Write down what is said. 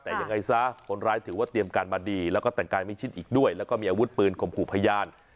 แต่ยังไงซะคนร้ายถือว่าเตรียมการมาดีแล้วก็แต่งกายไม่ชิดอีกด้วยแล้วก็มีอาวุธปืนข่มขู่พยาน